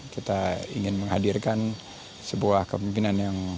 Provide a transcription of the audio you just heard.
kita ingin menghadirkan sebuah kemimpinan yang